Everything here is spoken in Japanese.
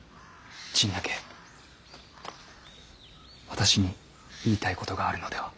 陳和私に言いたいことがあるのでは。